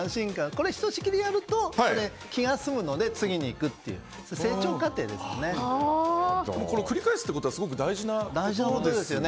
これをひとしきりやると気が済むので、次に行くというこれ、繰り返すってことはすごく大事なことですよね。